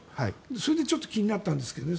それで気になったんですけどね